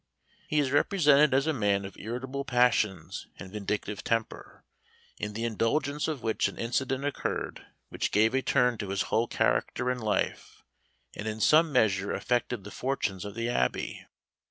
He is represented as a man of irritable passions and vindictive temper, in the indulgence of which an incident occurred which gave a turn to his whole character and life, and in some measure affected the fortunes of the Abbey.